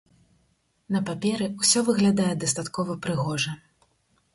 На паперы ўсё выглядае дастаткова прыгожа.